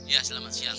ya selamat siang